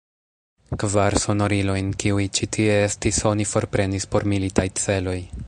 Kvar sonorilojn, kiuj ĉi tie estis, oni forprenis por militaj celoj.